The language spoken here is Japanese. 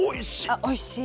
あおいしい。